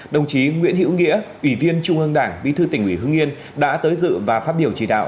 đồng chí nguyễn hữu nghĩa ủy viên trung ương đảng bí thư tỉnh ủy hương yên đã tới dự và phát biểu chỉ đạo